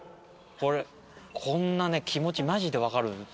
こんな気持ちマジで分かる。